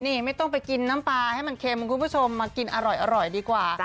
นี่ไม่ต้องไปกินน้ำปลาให้มันเค็มคุณผู้ชมมากินอร่อยดีกว่า